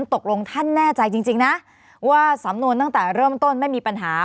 ตกลงท่านแน่ใจจริงนะว่าสำนวนตั้งแต่เริ่มต้นไม่มีปัญหา